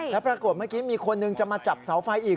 แล้วปรากฏเมื่อกี้มีคนหนึ่งจะมาจับเสาไฟอีก